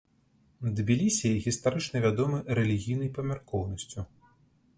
Тбілісі гістарычна вядомы рэлігійнай памяркоўнасцю.